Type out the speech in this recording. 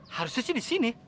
harusnya sih di sini